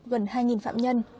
gần hai phạm nhân